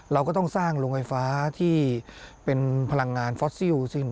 เราก็ต้องสร้างโรงไฟฟ้าที่เป็นพลังงานฟอสซิล